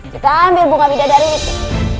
kita ambil bunga pindah daya itu